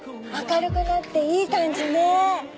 明るくなっていい感じね。